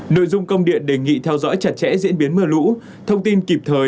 nội dung công điện đề nghị theo dõi chặt chẽ diễn biến mưa lũ thông tin kịp thời